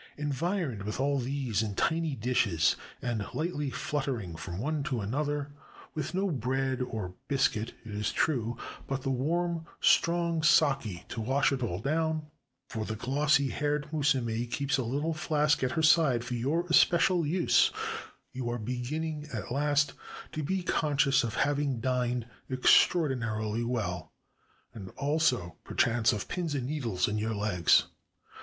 Environed with all these in tiny dishes, and Hghtly fluttering from one to another — with no bread or biscuit, it is true, but the warm, strong sake to wash all down (for the glossy haired musume keeps a little flask at her side for your especial use) — you are beginning at last to be conscious of having dined extraordinarily well, and also, per chance, of "pins and needles" in your legs.